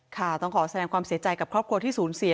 ต้องขอแสดงความเสียใจกับครอบครัวที่สูญเสีย